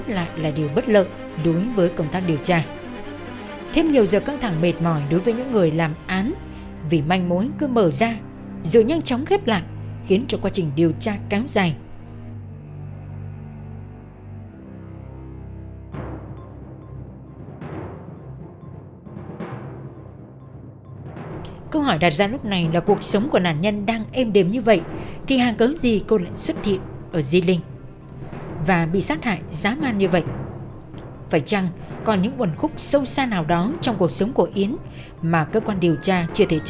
hãy đăng ký kênh để ủng hộ kênh của chúng mình nhé hãy đăng ký kênh để ủng hộ kênh của chúng mình nhé hãy đăng ký kênh để ủng hộ kênh của chúng mình nhé hãy đăng ký kênh để ủng hộ kênh của chúng mình nhé